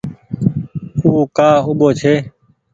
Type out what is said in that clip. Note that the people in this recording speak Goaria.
او ڪآ اُوٻو ڇي۔